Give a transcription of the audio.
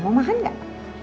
mau makan gak